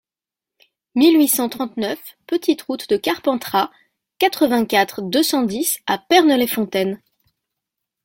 mille huit cent trente-neuf petite Route de Carpentras, quatre-vingt-quatre, deux cent dix à Pernes-les-Fontaines